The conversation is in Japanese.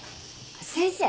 先生。